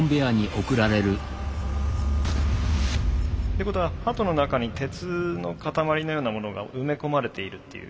ってことは鳩の中に鉄の塊のようなものが埋め込まれているっていう？